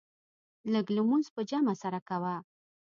لږ لمونځ په جمع سره کوه.